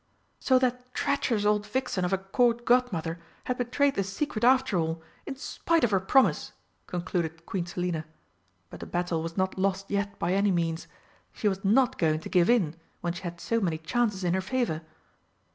"So that treacherous old vixen of a Court Godmother had betrayed the secret after all, in spite of her promise!" concluded Queen Selina. But the battle was not lost yet by any means. She was not going to give in, when she had so many chances in her favour.